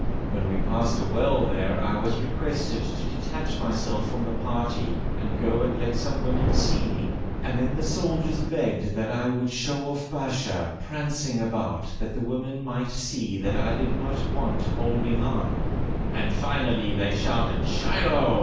When we passed a well there I was requested to detach myself from the party and go and let some women see me, and then the soldiers begged that I would show off Basha prancing about that the women might see that I did not want holding on, and finally they shouted 'Shilloh!'